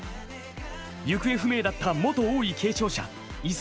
行方不明だった元王位継承者イ・ソ